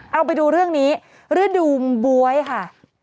เอาไปดูเรื่องนี้ฤดูบ๊วยค่ะ